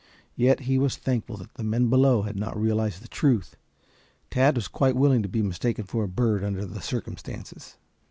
Yet he was thankful that the men below had not realized the truth. Tad was quite willing to be mistaken for a bird under the circumstances.